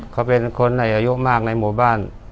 เขาเป็นคนอายุมากในหมู่บ้าน